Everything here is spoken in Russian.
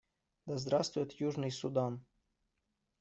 Да здравствует Южный Судан!